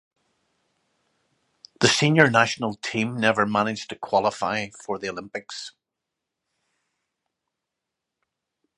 The senior national team never managed to qualify for the Olympics.